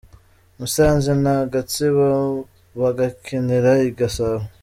Musanze na Gatsibo bagakinira i Gasabo.